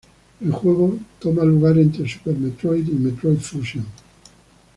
El juego toma lugar entre Super Metroid y Metroid Fusion.